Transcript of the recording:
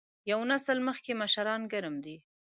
یو نسل مخکې مشران ګرم دي.